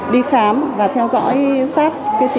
đi khám và theo dõi sát